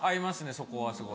そこはすごい。